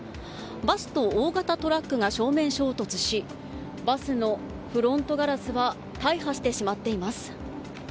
バスと大型トラックが正面衝突しバスのフロントガラスは大破してしまっています。